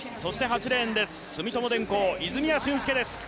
８レーンです、住友電工、泉谷駿介です。